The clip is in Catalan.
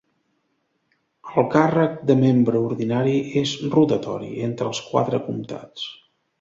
El càrrec de membre ordinari és rotatori entre els quatre comtats.